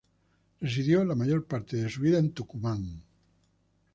Residió la mayor parte de su vida en Tucumán.